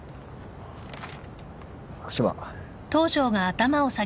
福島。